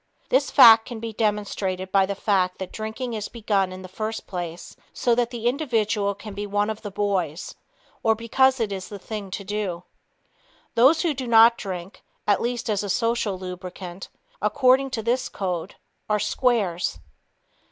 This fact can be demonstrated by the fact that drinking is begun in the first place so that the individual can be "one of the boys" or because it is the thing to do. Those who do not drink, at least as a social lubricant, according to this code, are "squares."